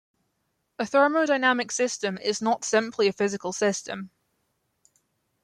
A thermodynamic system is not simply a physical system.